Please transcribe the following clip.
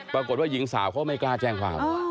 ปรากฏว่าหญิงสาวเขาไม่กล้าแจ้งความ